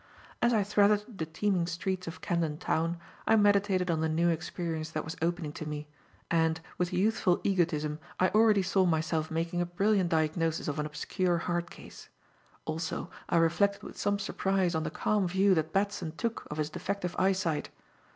As I threaded the teeming streets of Camden Town I meditated on the new experience that was opening to me, and, with youthful egotism, I already saw myself making a brilliant diagnosis of an obscure heart case. Also I reflected with some surprise on the calm view that Batson took of his defective eyesight.